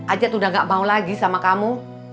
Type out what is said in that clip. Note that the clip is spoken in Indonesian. ajat udah gak mau lagi sama kamu